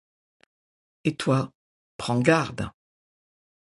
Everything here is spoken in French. Et toi, prends garde!